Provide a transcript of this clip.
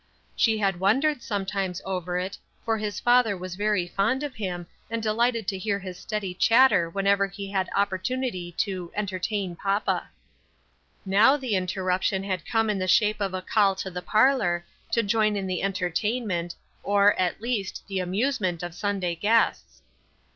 She had wondered sometimes over it, for his father was very fond of him, and delighted to hear his steady chatter whenever he had opportunity to "enter tain papa." Now the interruption had come in the shape of a call to the parlor, to join in the entertainment, or, at least, the amusement of Sun day guests.